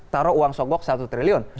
taruh uang sogok satu triliun